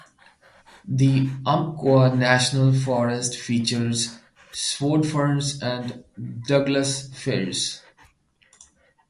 The Umpqua National Forest features swordferns and Douglas firs.